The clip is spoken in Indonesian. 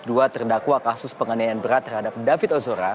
dua terendakwa kasus pengandian yang berat terhadap david ozora